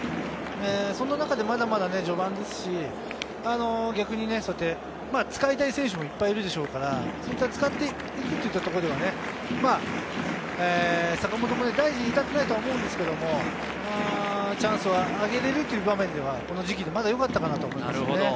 そんな中でまだまだ序盤ですし、逆に使いたい選手もいっぱいいるでしょうから、使っていくといったところでは、坂本も大事に至ってないとは思うんですけど、チャンスはあげれるという場面では、この時期でまだよかったかなと思いますね。